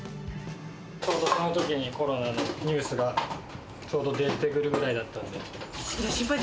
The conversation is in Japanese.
ちょうどそのときにコロナのニュースがちょうど出てくるぐらいだったんで。